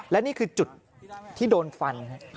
และนี่คือจุดที่โดนฟัน